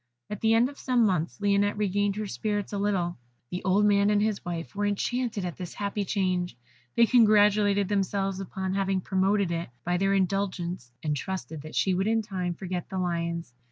At the end of some months, Lionette regained her spirits a little. The old man and his wife were enchanted at this happy change. They congratulated themselves upon having promoted it by their indulgence, and trusted that she would in time forget the Lions.